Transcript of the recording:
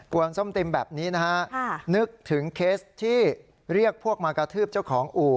วงส้มติมแบบนี้นะฮะนึกถึงเคสที่เรียกพวกมากระทืบเจ้าของอู่